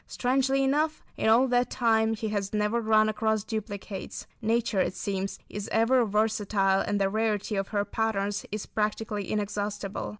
Strangely enough, in all that time, he has never run across duplicates. Nature, it seems, is ever versatile and the rarity of her patterns is practically inexhaustible.